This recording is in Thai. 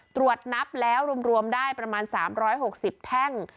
ตรวจนับแล้วรวมได้ประมาณ๓๖๐แท่ง